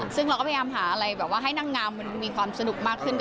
ซึ่งเราก็พยายามหาอะไรแบบว่าให้นางงามมันมีความสนุกมากขึ้น